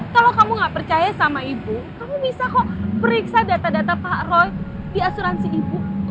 kalau kamu nggak percaya sama ibu kamu bisa kok periksa data data pak roy di asuransi ibu